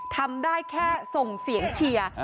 ทำได้แค่ส่งเสียงเชียร์